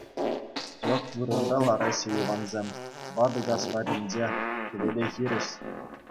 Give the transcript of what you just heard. йӑх вырӑнта лараҫҫӗ Ивансем, Вӑта кас варринче, хӗвеле хирӗҫ.